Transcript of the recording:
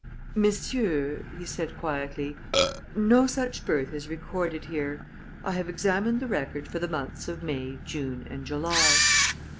"Messieurs," he said quietly, "no such birth is recorded here. I have examined the record for the months of May, June, and July."